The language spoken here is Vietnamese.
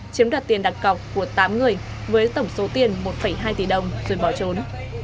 chiếm đặt tiền đặc cọc của tám người với tổng số tiền một hai tỷ đồng rồi bỏ trốn